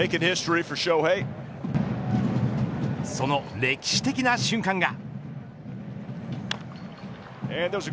その歴史的な瞬間が。